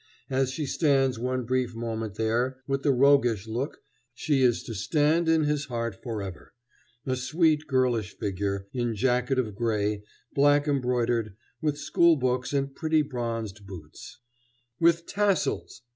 As she stands one brief moment there with the roguish look, she is to stand in his heart forever a sweet girlish figure, in jacket of gray, black embroidered, with schoolbooks and pretty bronzed boots "With tassels!"